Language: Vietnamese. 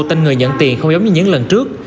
tên người nhận tiền không giống như những lần trước